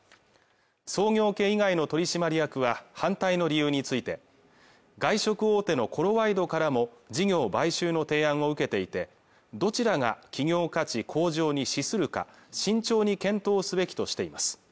創業家以外の取締役は反対の理由について外食大手のコロワイドからも事業買収の提案を受けていてどちらが企業価値向上に資するか慎重に検討すべきとしています